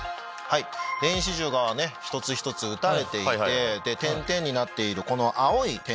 電子銃が一つ一つ撃たれていて点々になっているこの青い点。